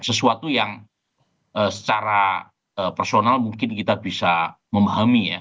sesuatu yang secara personal mungkin kita bisa memahami ya